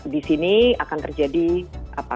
di sini akan terjadi apa